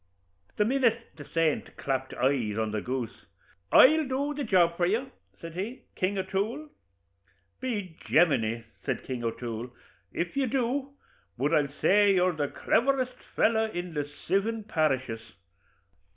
The minute the saint clapt his eyes on the goose, 'I'll do the job for you,' says he, 'King O'Toole.' 'By Jaminee!' says King O'Toole, 'if you do, bud I'll say you're the cleverest fellow in the sivin parishes.'